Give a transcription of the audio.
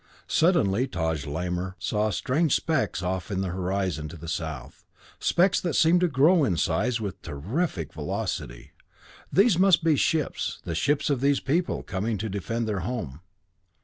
Suddenly Taj Lamor saw strange specks off in the far horizon to the south, specks that seemed to grow in size with terrific velocity; these must be ships, the ships of these people, coming to defend their home.